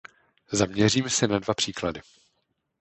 Zaměřím se na dva příklady.